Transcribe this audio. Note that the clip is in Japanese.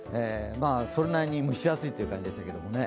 それなりに蒸し暑いという感じでしたけどもね。